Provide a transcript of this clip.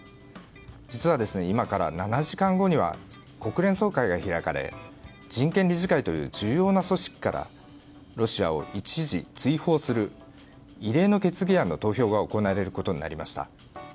実は今から７時間後には国連総会が開かれ人権理事会という重要な組織からロシアを一時追放する異例の決議案の投票が行われることになりました。